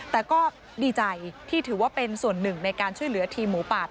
แต่ก็ดีใจที่ถือว่าเป็นส่วนหนึ่งในการช่วยเหลือทีมหมูป่า